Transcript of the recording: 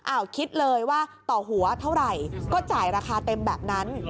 คิดเลยว่าต่อหัวเท่าไหร่ก็จ่ายราคาเต็มแบบนั้น